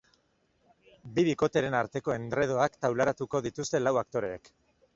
Bi bikoteren arteko endredoak taularatuko dituzte lau aktoreek.